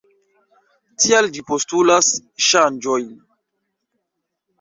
Tial ĝi postulas ŝanĝojn.